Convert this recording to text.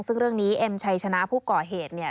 ซึ่งเรื่องนี้เอ็มชัยชนะผู้ก่อเหตุเนี่ย